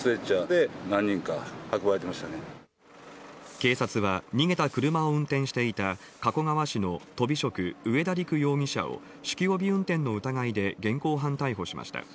警察は逃げた車を運転していた加古川市のとび職上田陸容疑者を酒気帯び運転の疑いで現行犯逮捕しました。